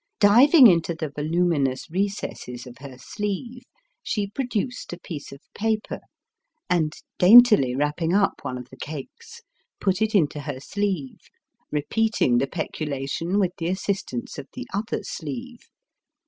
Diving into the voluminous recesses of her sleeve, she produced a piece of paper, and daintily wrapping up one of the cakes, put it Digitized by VjOOQIC 228 EAST BY WEST. into her sleeve, repeating the peculation with the assistance of the other sleeve.